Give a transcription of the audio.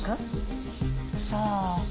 さあ？